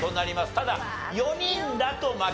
ただ４人だと負け。